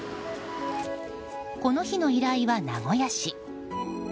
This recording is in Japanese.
この日の依頼は、名古屋市。